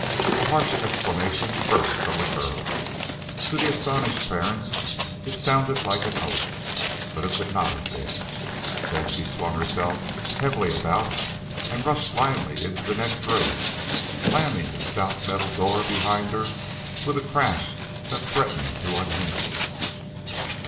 A harsh exclamation burst from the girl to the astonished parents it sounded like an oath, but it could not have been then she swung herself heavily about and rushed blindly into the next room, slamming the stout metal door behind her with a crash that threatened to unhinge it.